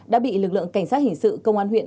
đã bị lực lượng cảnh sát hình sự công an huyện